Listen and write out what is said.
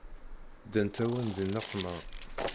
Ddant-awen di nneqma.